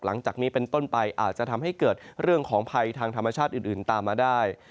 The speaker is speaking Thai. หลังจากนี้เป็นต้นไปอาจจะทำให้เกิดเรื่องของภัยทางธรรมชาติอื่นตามมาได้